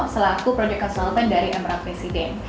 selaku proyek konsultan dari emeral resident